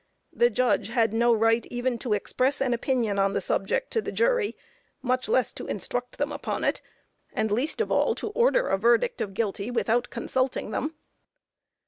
The judge had no right even to express an opinion on the subject to the jury, much less to instruct them upon it, and least of all to order a verdict of guilty without consulting them.